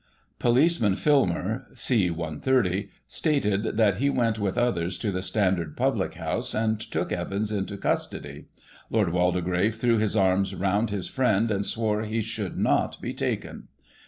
Policeman Filmer, C 130, stated that he went with others to the Standard public house, and took Evans into custody. Lord Waldegrave threw his arms round his friend, and swore he should not be taken.